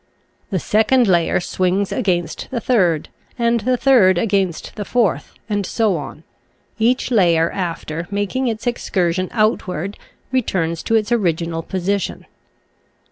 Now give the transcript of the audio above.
The second layer swings against the third and the third against the fourth, and so on; each layer after making its excursion outward returns to its original position.